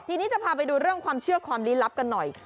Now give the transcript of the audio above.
ทีนี้จะพาไปดูเรื่องความเชื่อความลี้ลับกันหน่อย